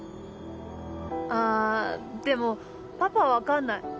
あでもパパは分かんない。